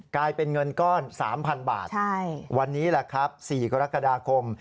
กลายเป็นเงินก้อน๓๐๐๐บาทวันนี้แหละครับ๔กรกฎาคม